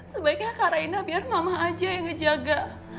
sebaiknya kak reina biar mama aja yang ngejaga